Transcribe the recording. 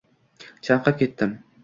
Chanqab ketdim.